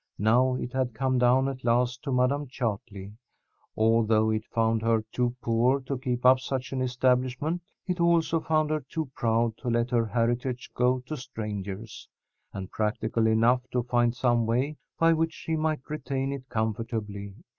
Now it had come down at last to Madam Chartley. Although it found her too poor to keep up such an establishment, it also found her too proud to let her heritage go to strangers, and practical enough to find some way by which she might retain it comfortably.